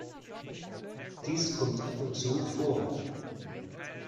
Dies kommt ab und zu vor.